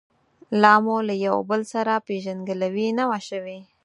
لا مو له یو او بل سره پېژندګلوي نه وه شوې.